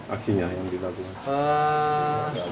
aksinya yang dilakukan